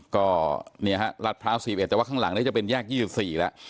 ก็เนี่ยฮะรัดพร้าว๔๑แต่ว่าข้างหลังนี้จะเป็นแยก๒๔แล้ว